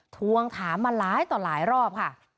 ทวงถามมาหลายต่อหลายรอบค่ะ